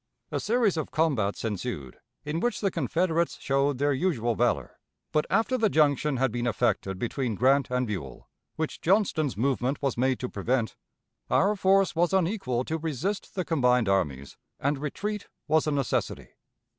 A series of combats ensued, in which the Confederates showed their usual valor; but, after the junction had been effected between Grant and Buell, which Johnston's movement was made to prevent, our force was unequal to resist the combined armies, and retreat was a necessity.